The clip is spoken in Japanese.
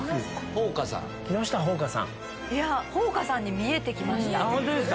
ほうかさんに見えて来ました。